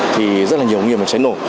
thì rất là nhiều nguyên về cháy nổ